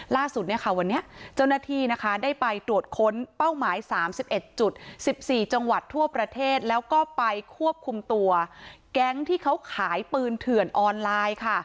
ล่าสุดเนี่ยค่ะวันนี้เจ้าหน้าที่นะคะได้ไปตรวจค้นเป้าหมาย๓๑จุด๑๔จังหวัดทั่วประเทศแล้วก็ไปควบคุมตัวแก๊งที่เขาขายปืนเถื่อนออนไลน์ค่ะ